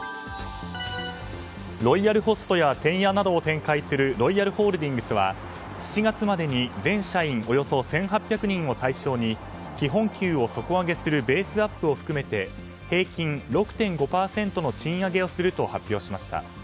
ロイヤルホストやてんやなどを展開するロイヤルホールディングスは７月までに全社員およそ１８００人を対象に基本給を底上げするベースアップを含めて平均６．５％の賃上げをすると発表しました。